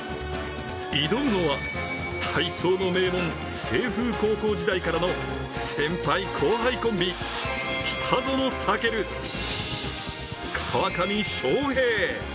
挑むのは、体操の名門、清風高校時代からの先輩・後輩コンビ、北園丈琉・川上翔平。